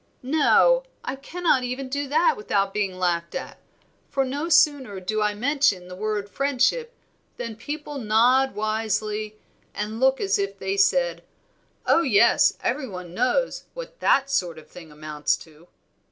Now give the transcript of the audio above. "No, I cannot even do that without being laughed at; for no sooner do I mention the word friendship than people nod wisely and look as if they said, 'Oh, yes, every one knows what that sort of thing amounts to.'